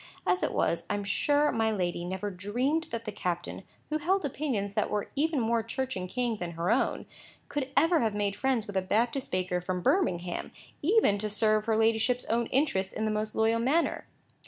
As it was, I am sure my lady never dreamed that the captain, who held opinions that were even more Church and King than her own, could ever have made friends with a Baptist baker from Birmingham, even to serve her ladyship's own interests in the most loyal manner.